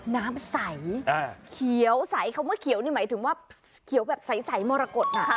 น้ำใสเขียวใสคำว่าเขียวนี่หมายถึงว่าเขียวแบบใสมรกฏน่ะ